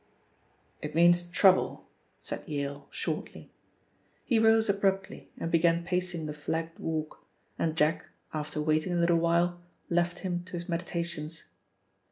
"It means trouble," said Yale shortly. He rose abruptly and began pacing the flagged walk, and Jack, after waiting a little while, left him to his meditations.